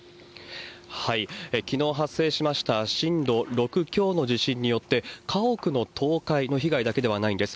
きのう発生しました震度６強の地震によって、家屋の倒壊の被害だけではないんです。